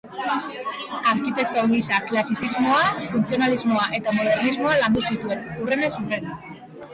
Arkitekto gisa klasizismoa, funtzionalismoa eta modernismoa landu zituen, hurrenez hurren.